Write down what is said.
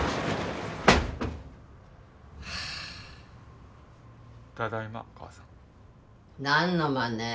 はあっただいま母さん何のマネ？